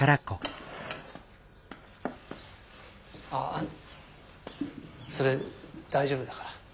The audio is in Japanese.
ああそれ大丈夫だから。